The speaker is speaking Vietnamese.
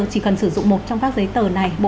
chỉ cần sử dụng một trong các giấy tờ này